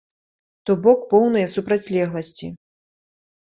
То бок поўныя супрацьлегласці.